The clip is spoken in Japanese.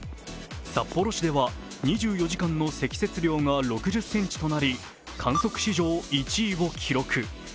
札幌市では２４時間の積雪量が６０ｃｍとなり、観測史上１位を記録。